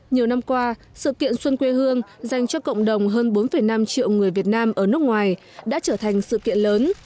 nhiều năm qua sự kiện xuân quê hương dành cho cộng đồng hơn bốn năm triệu người việt nam ở nước ngoài đã trở thành sự kiện lớn